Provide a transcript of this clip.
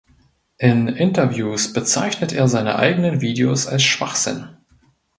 In Interviews bezeichnet er seine eigenen Videos als „"Schwachsinn"“.